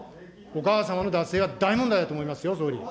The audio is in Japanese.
お母様の脱税は大問題だと思いますよ、総理。